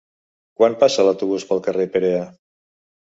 Quan passa l'autobús pel carrer Perea?